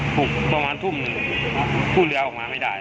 ประมาณทุ่มหนึ่งผู้เรือออกมาไม่ได้